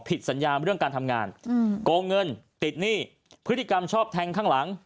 สัญญาเรื่องการทำงานโกงเงินติดหนี้พฤติกรรมชอบแทงข้างหลัง